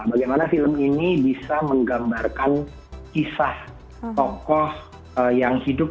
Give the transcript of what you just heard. bagaimana film ini bisa menggambarkan kisah tokoh yang hidup